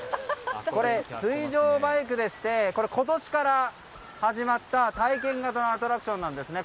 これ、水上バイクでして今年から始まった体験型のアトラクションなんですね。